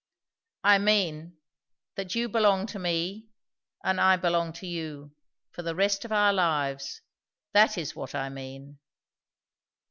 "I mean, that you belong to me, and I belong to you, for the rest of our lives. That is what I mean."